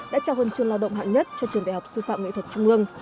đã trao huân chương lao động hạng nhất cho trường đại học sư phạm nghệ thuật trung ương